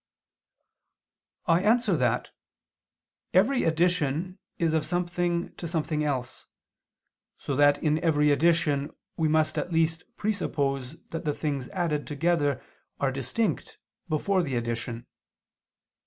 I answer that, Every addition is of something to something else: so that in every addition we must at least presuppose that the things added together are distinct before the addition.